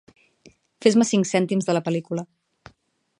Fes-me cinc cèntims de la pel·lícula.